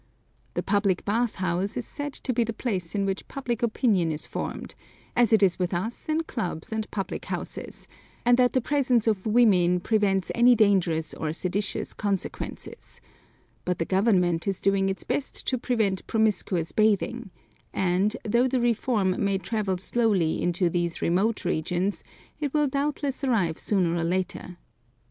The public bath house is said to be the place in which public opinion is formed, as it is with us in clubs and public houses, and that the presence of women prevents any dangerous or seditious consequences; but the Government is doing its best to prevent promiscuous bathing; and, though the reform may travel slowly into these remote regions, it will doubtless arrive sooner or later.